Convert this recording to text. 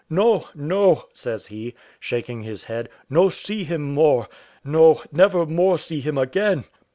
"No, no," says he, shaking his head, "no see him more: no, never more see him again."